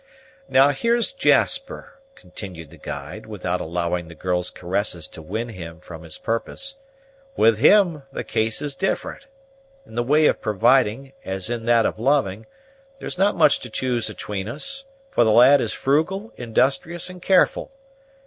"Now, here's Jasper," continued the guide, without allowing the girl's caresses to win him from his purpose, "with him the case is different. In the way of providing, as in that of loving, there's not much to choose 'atween us; for the lad is frugal, industrious, and careful.